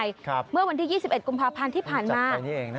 ครับจัดปั่นนี่เองนะใช่เมื่อวันที่๒๑กุมภาพันธ์ที่ผ่านมา